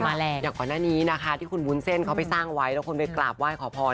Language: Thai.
อย่างก่อนหน้านี้นะคะที่คุณวุ้นเส้นเขาไปสร้างไว้แล้วคนไปกราบไหว้ขอพร